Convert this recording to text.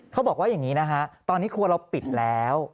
เขาบอกว่าอย่างนี้นะฮะตอนนี้ครัวเราปิดแล้ว